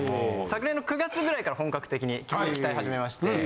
昨年の９月ぐらいから本格的に急に鍛え始めまして。